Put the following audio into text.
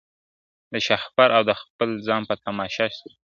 د شهپر او د خپل ځان په تماشا سو ,